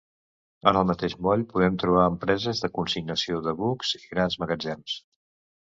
En el mateix moll podem trobar empreses de consignació de bucs i grans magatzems.